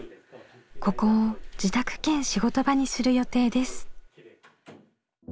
ここを自宅兼仕事場にする予定です。